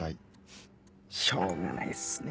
フッしょうがないっすね